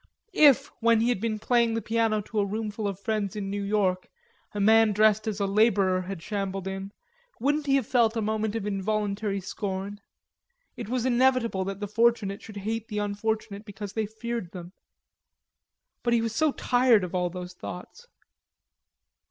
If, when he had been playing the piano to a roomful of friends in New York, a man dressed as a laborer had shambled in, wouldn't he have felt a moment of involuntary scorn? It was inevitable that the fortunate should hate the unfortunate because they feared them. But he was so tired of all those thoughts.